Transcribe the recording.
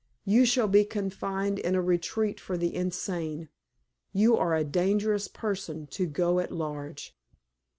You shall be confined in a retreat for the insane. You are a dangerous person to go at large."